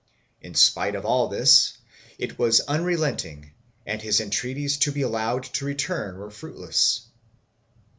2 In spite of all this it was unrelenting and his entreaties to be allowed to return were fruitless.